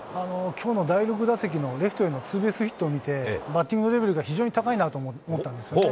きょうの第６打席のレフトへのツーベースヒットを見て、バッティングレベルが非常に高いなと思ったんです。